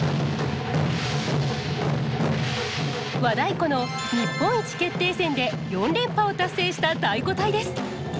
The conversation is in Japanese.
和太鼓の日本一決定戦で４連覇を達成した太鼓隊です。